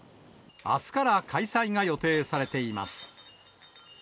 あすから開催が予定されています。